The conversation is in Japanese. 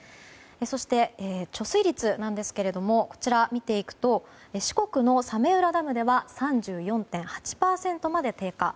そして貯水率を見ていくと四国の早明浦ダムでは３４．８％まで低下。